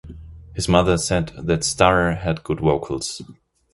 His mother said that Starr had good vocals.